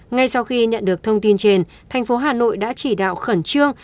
ngay sau khi nhận được thông tin trên thành phố hà nội đã chỉ đạo khẩn trương